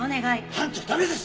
班長駄目です！